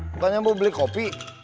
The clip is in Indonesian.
bukannya mau beli kopi